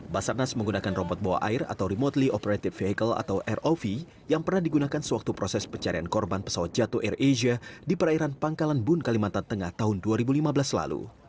basarnas menggunakan robot bawah air atau remotely operated vehicle atau rov yang pernah digunakan sewaktu proses pencarian korban pesawat jatuh air asia di perairan pangkalan bun kalimantan tengah tahun dua ribu lima belas lalu